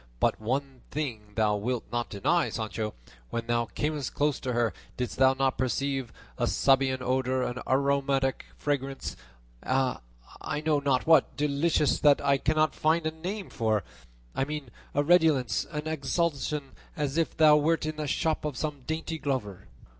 But one thing thou wilt not deny, Sancho; when thou camest close to her didst thou not perceive a Sabaean odour, an aromatic fragrance, a, I know not what, delicious, that I cannot find a name for; I mean a redolence, an exhalation, as if thou wert in the shop of some dainty glover?"